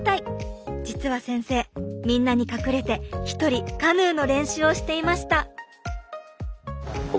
実は先生みんなに隠れて一人カヌーの練習をしていました。